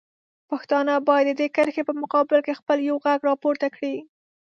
پښتانه باید د دې کرښې په مقابل کې خپل یو غږ راپورته کړي.